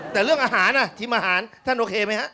แต่เรื่องอาหารทีมอาหารท่านโอเคไหมฮะ